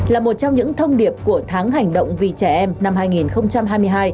là một trong những thông điệp của tháng hành động vì trẻ em năm hai nghìn hai mươi hai